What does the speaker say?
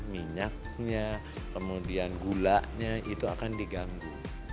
minyaknya kemudian gulanya itu akan diganggu